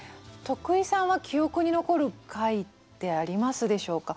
徳井さんは記憶に残る回ってありますでしょうか？